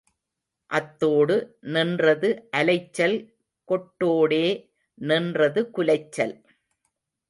அத்தோடு நின்றது அலைச்சல் கொட்டோடே நின்றது குலைச்சல்.